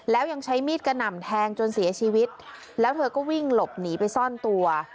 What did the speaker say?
แล้วยังใช้มีดกระหน่ำแทงจนเสียชีวิตแล้วเธอก็วิ่งหลบหนีไปซ่อนตัว